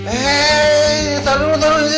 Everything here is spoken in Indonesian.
eh taruh dulu taruh dulu